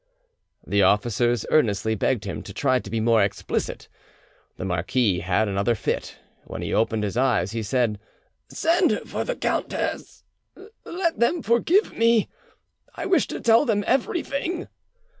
..." The officers earnestly begged him to try to be more explicit. The marquis had another fit; when he opened his eyes, he said— "Send for the countess ... let them forgive me ... I wish to tell them everything."